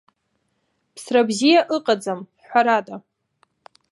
Ԥсра бзиа ыҟаӡам, ҳәарада.